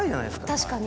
確かに。